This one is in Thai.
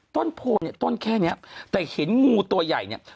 ต้นโพเนี่ยต้นแค่เนี้ยแต่เห็นงูตัวใหญ่เนี่ย